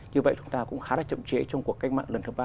như vậy chúng ta cũng khá là chậm trễ trong cuộc cách mạng lần thứ ba